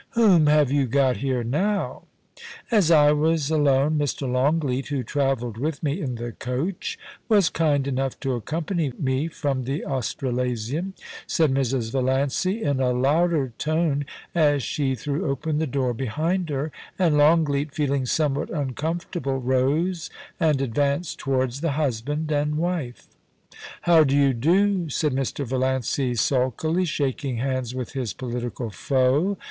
* Whom have you got here now ?As I was alone, Mr. Longleat, who travelled with me in the coach, was kind enough to accompany me from the Australasian,' said Mrs. Valiancy, in a louder tone, as she threw open the door behind her, and Longleat, feeling some what uncomfortable, rose and advanced towards the husband and wife. 'How do you do?' said Mr. Valiancy sulkily, shaking hands with his political foe.